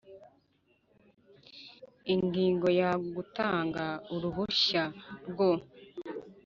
Ingingo ya gutanga uruhushya rwo